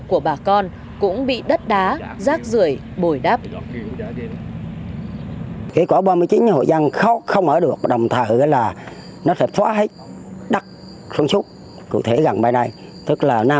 của bà con cũng bị đất đá